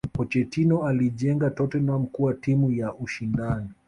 pochetino aliijenga tottenham kuwa timu ya ushindani